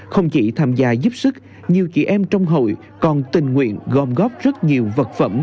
không chỉ tham gia giúp sức nhiều chị em trong hội còn tình nguyện gom góp rất nhiều vật phẩm